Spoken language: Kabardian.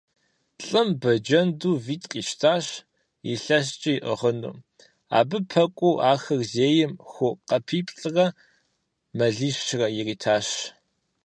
ЛӀым бэджэнду витӀ къищтащ, илъэскӀэ иӀыгъыну. Абы пэкӀуэу ахэр зейм ху къэпиплӀрэ мэлищрэ иритащ.